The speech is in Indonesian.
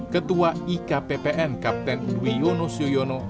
ketua ik ppn kapten duyono syuyono